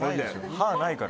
歯ないから。